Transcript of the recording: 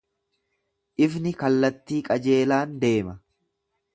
Ifni kallattii qajeelaan deema.